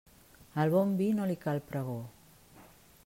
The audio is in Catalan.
Al bon vi no li cal pregó.